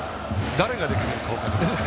誰が他にできるんですか。